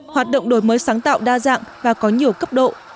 hoạt động đổi mới sáng tạo đa dạng và có nhiều cấp độ